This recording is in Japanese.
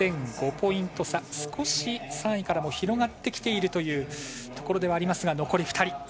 少し３位からも広がってきているというところではありますが残り２人。